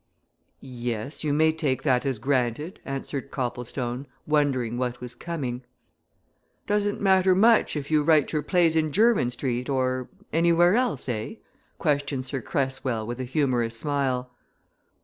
"Yes, you may take that as granted," answered Copplestone, wondering what was coming. "Doesn't much matter if you write your plays in Jermyn Street or anywhere else, eh?" questioned Sir Cresswell with a humorous smile.